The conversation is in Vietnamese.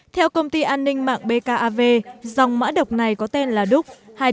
theo công ty an ninh mạng bkav dòng mã độc này là một trong những dòng mã độc